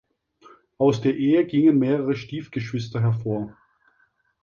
Aus der Ehe gingen mehrere Stiefgeschwister hervor.